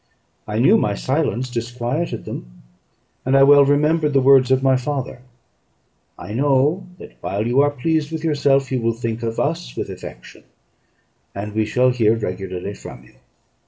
I knew my silence disquieted them; and I well remembered the words of my father: "I know that while you are pleased with yourself, you will think of us with affection, and we shall hear regularly from you.